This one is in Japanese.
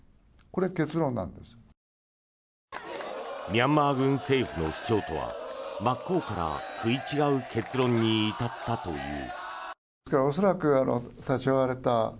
ミャンマー軍政府の主張とは真っ向から食い違う結論に至ったという。